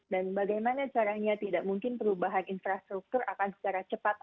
bagaimana caranya tidak mungkin perubahan infrastruktur akan secara cepat